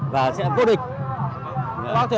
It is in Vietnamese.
và sẽ vô địch